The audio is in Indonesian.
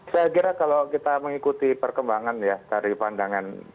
saya kira kalau kita mengikuti perkembangan ya dari pandangan